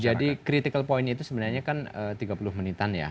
jadi critical point itu sebenarnya kan tiga puluh menitan ya